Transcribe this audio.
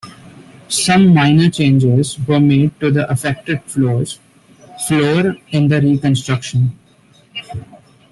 Some minor changes were made to the affected floors floor in the reconstruction.